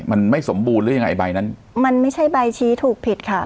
มันไม่สมบูรณ์หรือยังไงใบนั้นมันไม่ใช่ใบชี้ถูกผิดค่ะ